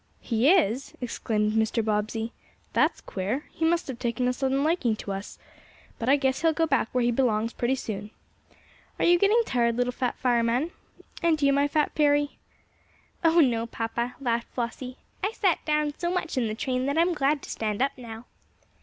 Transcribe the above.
"He is?" exclaimed Mr. Bobbsey. "That's queer. He must have taken a sudden liking to us. But I guess he'll go back where he belongs pretty soon. Are you getting tired, little Fat Fireman? And you, my Fat Fairy?" "Oh, no, papa," laughed Flossie. "I sat down so much in the train that I'm glad to stand up now."